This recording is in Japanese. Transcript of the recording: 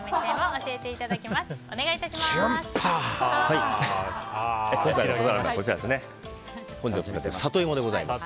お願いいたします。